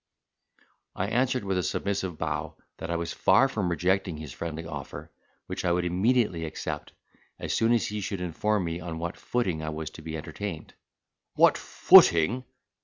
I answered with a submissive bow, that I was far from rejecting his friendly offer, which I would immediately accept, as soon as he should inform me on what footing I was to be entertained. "What footing!